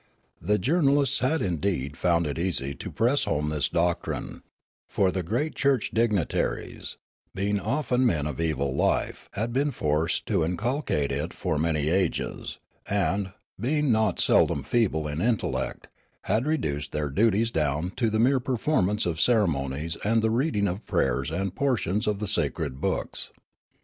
The journalists had indeed found it easy to press home this doctrine, for the great church dignitaries, being often men of evil life, had been forced to inculcate it for many ages, and, being not seldom feeble in intellect, had reduced their duties down to the mere performance of ceremonies and the reading of pra5'ers and portions of the sacred books.